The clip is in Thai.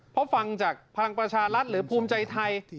เพราะฟังจากพลังประชารัฐหรือภูมิใจไทย